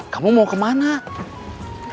saya mau nerusin mikirnya di rumah